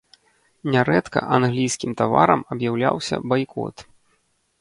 Нярэдка англійскім таварам аб'яўляўся байкот.